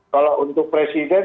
kalau untuk presiden